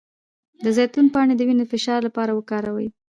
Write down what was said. د زیتون پاڼې د وینې د فشار لپاره وکاروئ